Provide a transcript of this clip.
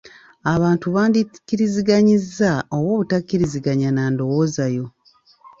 Abantu bandi kkiriziganya oba obutakkiriziganya na ndowooza yo.